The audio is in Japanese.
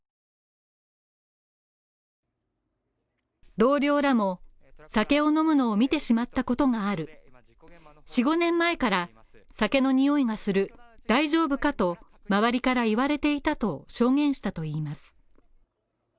同僚らも酒を飲むのを見てしまったことがある事故現場の５年前から酒の臭いがする大丈夫かと周りから言われていたと証言したといいます。